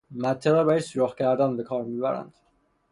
مته را برای سوراخ کردن به کار میبرند.